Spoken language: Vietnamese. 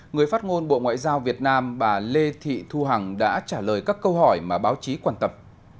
người phát ngôn bộ ngoại giao việt nam bà lê thị thu hằng đã trả lời các câu hỏi mà báo chí quan tâm